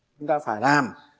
chúng ta phải làm